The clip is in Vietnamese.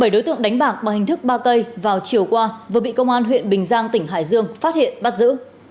bảy đối tượng đánh bạc bằng hình thức ba cây vào chiều qua vừa bị công an huyện bình giang tỉnh hải dương phát hiện bắt giữ